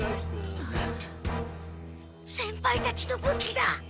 先輩たちの武器だ。